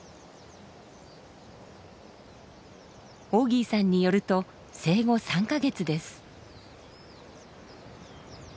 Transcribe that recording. オギーさんによると生後３か月です。